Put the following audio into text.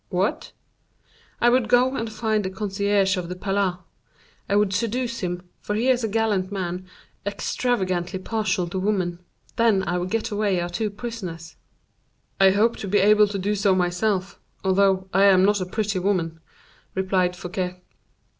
"What?" "I would go and find the concierge of the Palais. I would seduce him, for he is a gallant man, extravagantly partial to women; then I would get away our two prisoners." "I hope to be able to do so myself, although I am not a pretty woman," replied Fouquet.